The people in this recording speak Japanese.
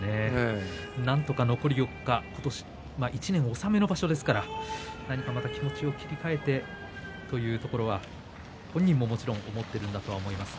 なんとか残り４日１年納めの場所ですからまた気持ちを切り替えてというところは本人ももちろん思っているんだとは思います。